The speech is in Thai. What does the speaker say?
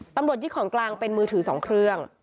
ตำรวจยึดของกลางเป็นมือถือ๒เครื่อง